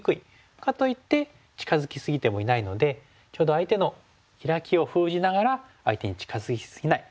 かといって近づき過ぎてもいないのでちょうど相手のヒラキを封じながら相手に近づき過ぎない。